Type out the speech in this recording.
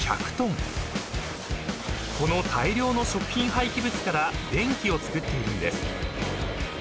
［この大量の食品廃棄物から電気をつくっているんです］